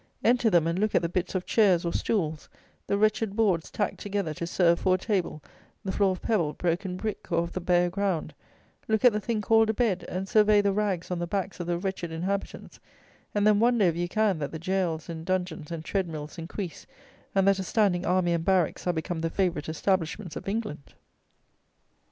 Enter them, and look at the bits of chairs or stools; the wretched boards tacked together to serve for a table; the floor of pebble, broken brick, or of the bare ground; look at the thing called a bed; and survey the rags on the backs of the wretched inhabitants; and then wonder, if you can, that the jails and dungeons and tread mills increase, and that a standing army and barracks are become the favourite establishments of England!